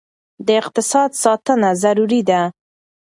د اقتصاد ساتنه ضروري ده.